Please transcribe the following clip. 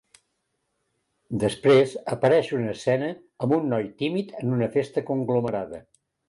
Després, apareix una escena amb un noi tímid en una festa conglomerada.